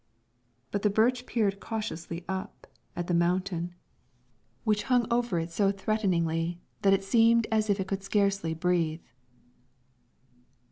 But the birch peered cautiously up, at the mountain, which hung over it so threateningly that it seemed as if it could scarcely breathe.